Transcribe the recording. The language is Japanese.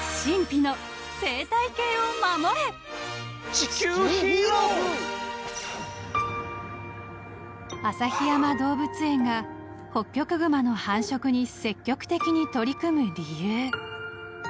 『地球ＨＥＲＯＥＳ』［旭山動物園がホッキョクグマの繁殖に積極的に取り組む理由］